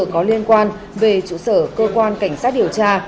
có liên quan về trụ sở cơ quan cảnh sát điều tra